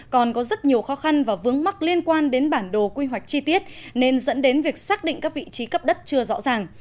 còn có rất nhiều khó khăn và vướng mắc liên quan đến bản đồ quy hoạch chi tiết nên dẫn đến việc xác định các vị trí cấp đất chưa rõ ràng